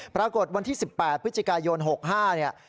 ปรากฏวันที่๑๘พฤศจิกายน๖๕เนี่ย